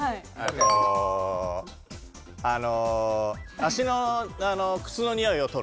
足の靴のにおいをとる。